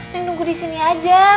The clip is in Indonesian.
neng tunggu di sini aja